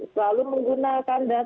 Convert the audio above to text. selalu menggunakan data